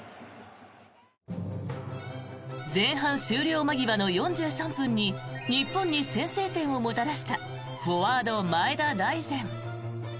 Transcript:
前半終了間際の４３分に日本に先制点をもたらしたフォワード、前田大然。